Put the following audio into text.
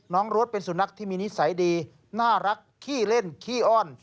รถเป็นสุนัขที่มีนิสัยดีน่ารักขี้เล่นขี้อ้อน